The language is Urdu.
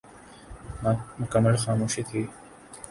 مکمل خاموشی تھی ۔